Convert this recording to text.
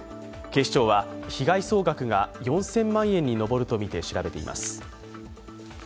警視庁は被害総額が４０００万円に上るとみて調べています。